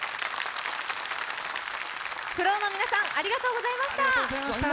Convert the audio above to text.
ＦＬＯＷの皆さん、ありがとうございました！